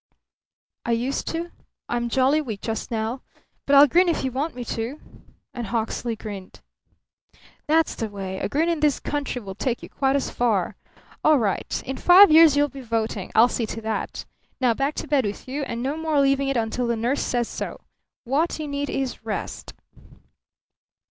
"I used to. I'm jolly weak just now. But I'll grin if you want me to." And Hawksley grinned. "That's the way. A grin in this country will take you quite as far. All right. In five years you'll be voting. I'll see to that. Now back to bed with you, and no more leaving it until the nurse says so. What you need is rest."